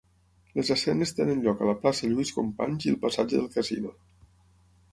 Les escenes tenen lloc a la plaça Lluís Companys i el Passatge del Casino.